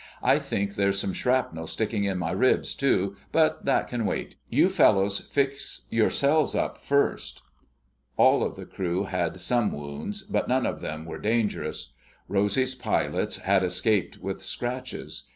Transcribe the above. "I think there's some shrapnel sticking in my ribs, too, but that can wait. You fellows fix yourselves up first." All of the crew had some wounds, but none of them were dangerous. Rosy's pilots had escaped with scratches.